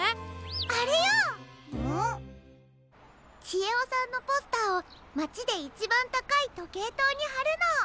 ちえおさんのポスターをまちでいちばんたかいとけいとうにはるの。